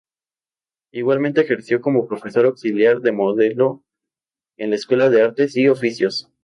Igualmente ejerció de profesor auxiliar de modelado en la Escuela de Artes y Oficios.